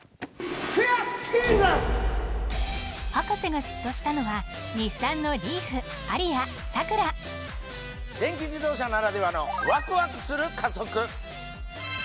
博士が嫉妬したのは電気自動車ならではのワクワクする加速！